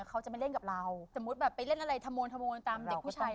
เขาจะไม่เล่นกับเราสมมุติแบบไปเล่นอะไรขโมนขโมยตามเด็กผู้ชาย